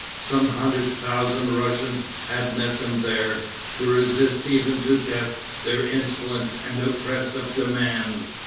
Some hundred thousand Russians had met them there, to resist even to death their insolent and oppressive demand.